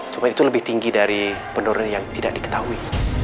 cuma itu lebih tinggi dari penurunan yang tidak diketahui